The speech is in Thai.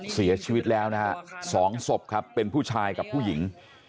เสียชีวิตแล้วนะฮะ๒ศพครับเป็นผู้ชายกับผู้หญิง